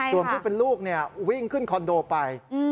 ส่วนผู้เป็นลูกวิ่งขึ้นคอนโดไป